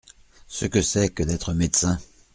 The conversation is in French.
Ce que c’est que d’être médecin…